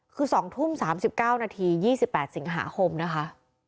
คือ๒ทุ่ม๓๙นาที๒๘สิงหาคมนะคะ